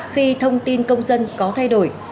khi thông tin công dân có thay đổi